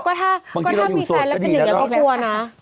ก็ถ้ามีแฟนแล้วเป็นอย่างนี้ก็กลัวนะ